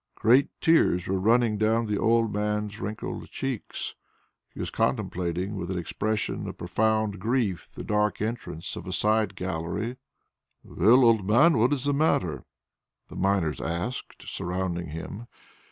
Great tears were running down the old man's wrinkled cheeks; he was contemplating with an expression of profound grief the dark entrance of a side gallery. "Well, old man! What is the matter?" the miners asked, surrounding him.